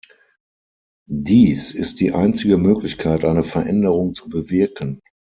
Dies ist die einzige Möglichkeit, eine Veränderung zu bewirken.